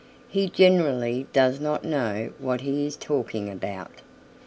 He generally does not know what he is talking about.